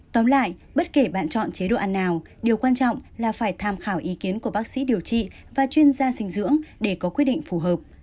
tóm lại bất kể bạn chọn chế độ ăn nào điều quan trọng là phải tham khảo ý kiến của bác sĩ điều trị và chuyên gia dinh dưỡng để có quyết định phù hợp